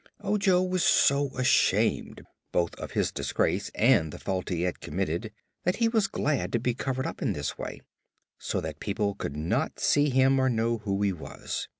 Ojo was so ashamed, both of his disgrace and the fault he had committed, that he was glad to be covered up in this way, so that people could not see him or know who he was.